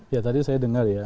ya tadi saya dengar ya